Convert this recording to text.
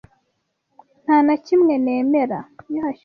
Nta na kimwe nemera.